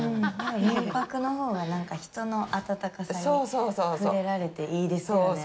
民泊のほうが、なんか人の温かさに触れられていいですよね。